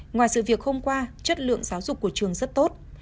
ngoài sự việc hôm qua chất lượng giáo dục của trường rất tốt